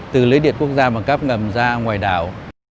từ lưới điện quốc gia bằng các ngầm ra ngoài đảo